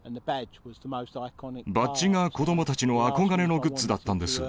バッジが子どもたちの憧れのグッズだったんです。